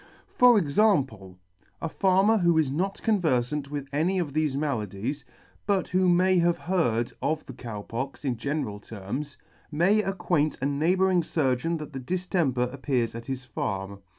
For example. ~A farmer who is not converfant with any of thefe maladies, but who may have heard of the Cow Pox in general terms, may acquaint a neighbouring furgeon that the diftemper appears at his farm.